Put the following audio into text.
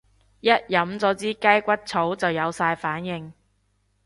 一飲咗支雞骨草就有晒反應